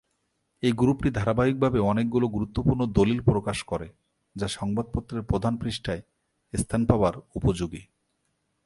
এই গ্রুপটি ধারাবাহিকভাবে অনেকগুলো গুরুত্বপূর্ণ দলিল প্রকাশ করে যা সংবাদপত্রের প্রধান পৃষ্ঠায় স্থান পাবার উপযোগী।